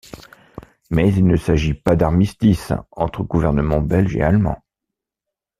Mais il ne s'agit pas d'armistice entre gouvernements belge et allemand.